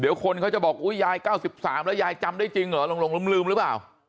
เดี๋ยวคนเขาจะบอกอุ๊ยยาย๙๓แล้วยายจำได้จริงเหรอหลงลืมหรือเปล่า